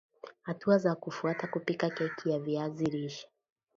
Hatua za kufuata kupikia keki ya viazi lishe